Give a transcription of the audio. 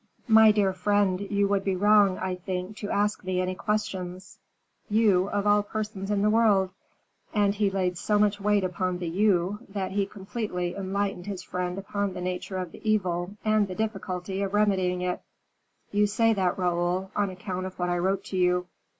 "My dear friend, you would be wrong. I think, to ask me any questions you of all persons in the world;" and he laid so much weight upon the "you," that he completely enlightened his friend upon the nature of the evil, and the difficulty of remedying it. "You say that, Raoul, on account of what I wrote to you."